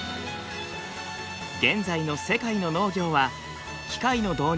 現在の世界の農業は機械の導入